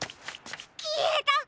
きえたっ！